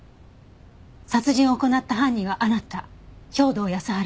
殺人を行った犯人はあなた兵働耕春です。